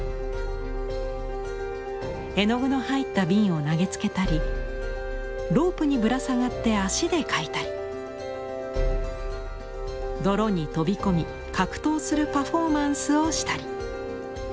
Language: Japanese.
絵の具の入った瓶を投げつけたりロープにぶら下がって足で描いたり泥に飛び込み格闘するパフォーマンスをしたり。